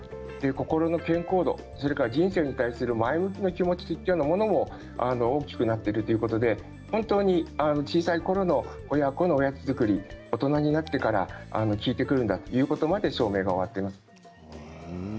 心の健康度人生に対する前向きな気持ちというものも大きくなっているということで本当に小さいころの親子のおやつ作りは大人になってから効いてくるんだというところまで証明が終わっています。